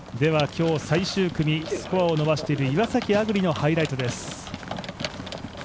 今日、最終組、スコアを伸ばしている岩崎亜久竜のハイライトです。